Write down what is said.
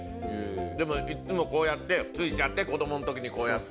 でもいつもこうやって付いちゃって子どものときにこうやって。